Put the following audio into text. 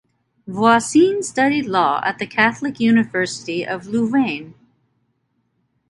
Voisin studied law at the Catholic University of Louvain.